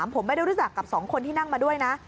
ผมไม่ได้รู้จักกับ๒คนที่นั่งมาด้วยนะ